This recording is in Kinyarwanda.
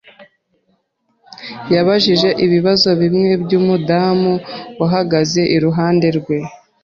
Yabajije ibibazo bimwe byumudamu uhagaze iruhande rwe.